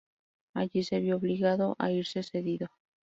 Allí se vio obligado a irse cedido.